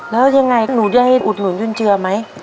แล้วยังไงหนูได้อุดหนุนจุนเจือไหม